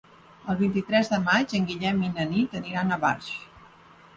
El vint-i-tres de maig en Guillem i na Nit aniran a Barx.